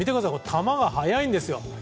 球が速いんですよ。